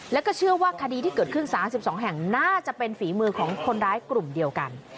แล้วก็เชื่อว่าคดีที่เกิดขึ้น๓๒แห่งน่าจะเป็นฝีมือของคนร้ายกลุ่มเดียวกัน